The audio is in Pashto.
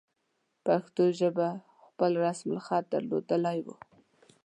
پښتو ژبې خپل رسم الخط درلودلی وو.